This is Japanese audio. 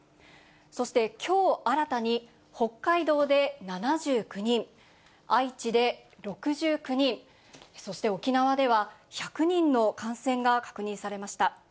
そして、きょう新たに北海道で７９人、愛知で６９人、そして沖縄では１００人の感染が確認されました。